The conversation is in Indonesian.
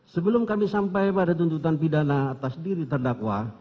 sebelum kami sampai pada tuntutan pidana atas diri terdakwa